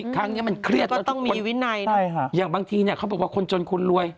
ครั้งนี้มันเครียดแล้วทุกคนอย่างบางทีเนี่ยเขาบอกว่าคนจนคุณรวย